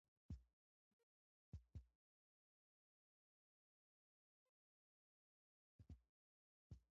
بې اخلاقه چلند د ټولنې د ګډوډۍ، ستونزو او شخړو سبب ګرځي.